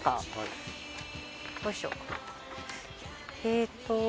えっと。